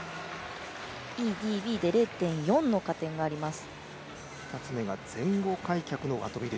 Ｅ、Ｄ、Ｂで０．４の加点があります。